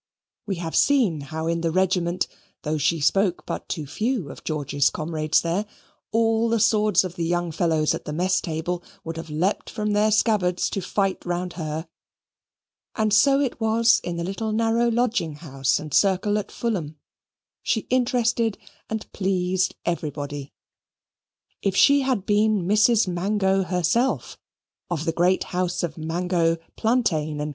We have seen how in the regiment, though she spoke but to few of George's comrades there, all the swords of the young fellows at the mess table would have leapt from their scabbards to fight round her; and so it was in the little narrow lodging house and circle at Fulham, she interested and pleased everybody. If she had been Mrs. Mango herself, of the great house of Mango, Plantain, and Co.